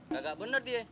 kagak bener dia